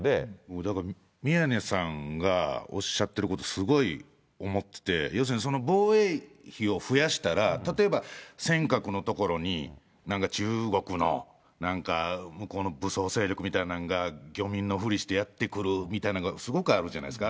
だから、宮根さんがおっしゃってることすごい思ってて、要するにその防衛費を増やしたら、例えば尖閣の所になんか、中国のなんか、向こうの武装勢力みたいなのが漁民のふりしてやって来るみたいなのがすごくあるじゃないですか。